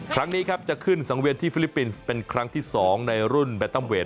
ครั้งนี้ครับจะขึ้นสังเวียนที่ฟิลิปปินส์เป็นครั้งที่๒ในรุ่นแบตัมเวท